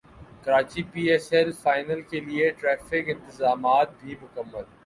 Karachi P S L final کیلئے traffic انتظامات بھی مکمل